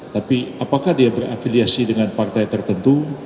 tapi apakah dia berafiliasi dengan partai tertentu